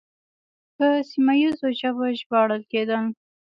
په سیمه ییزو ژبو ژباړل کېدل